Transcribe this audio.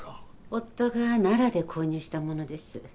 夫が奈良で購入したものです。